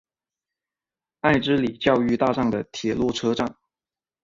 爱之里教育大站的铁路车站。